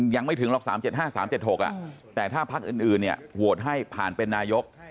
ยังไม่ถึงหรอก๓๗๕๓๗๖แต่ถ้าพักอื่นเนี่ยโหวตให้ผ่านเป็นนายก